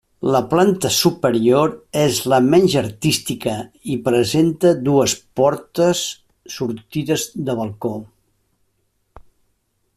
La planta superior és la menys artística i presenta dues portes sortides de balcó.